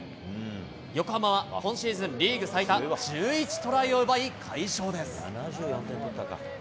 横浜は今シーズンリーグ最多１１トライを奪い、快勝です。